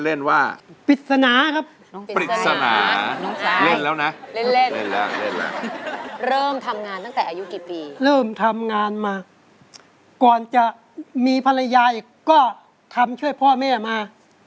เริ่มทำงานมาก่อนจะมีภรรยาอีกก็ทำช่วยพ่อแม่มา